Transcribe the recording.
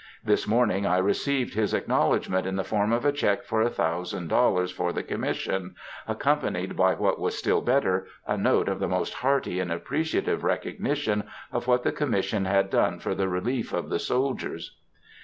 This morning I received his acknowledgments in the form of a check for $1,000 for the Commission, accompanied by what was still better, a note of the most hearty and appreciative recognition of what the Commission had done for the relief of the soldiers.